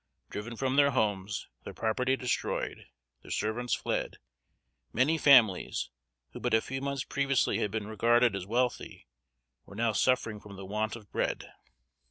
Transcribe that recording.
Driven from their homes their property destroyed, their servants fled many families, who but a few months previously had been regarded as wealthy, were now suffering from the want of bread.